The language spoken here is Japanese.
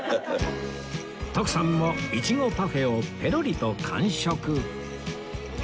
徳さんも苺パフェをペロリと完食